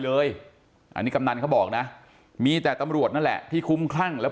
เลยอันนี้กำนันเขาบอกนะมีแต่ตำรวจนั่นแหละที่คุ้มคลั่งแล้ว